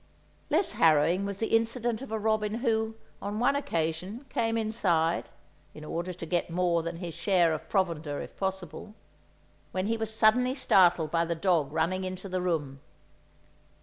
Less harrowing was the incident of a robin who, on one occasion, came inside, in order to get more than his share of provender if possible, when he was suddenly startled by the dog running into the room.